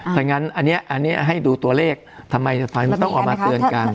เพราะงั้นอันเนี้ยอันเนี้ยให้ดูตัวเลขทำไมต้องออกมาเตือนกัน